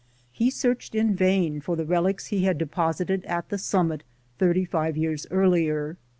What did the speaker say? He searched in vain for the relics he had deposited at the summit thirty five years earlier.